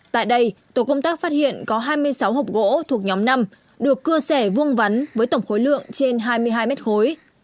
tại đây tổ công tác phát hiện có hai mươi sáu hộp gỗ thuộc nhóm năm được cưa sẻ vuông vắn với tổng khối lượng trên hai mươi hai mét khối